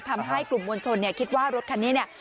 ทำให้กลุ่มมวลชนเนี่ยคิดว่ารถคันนี้เนี่ย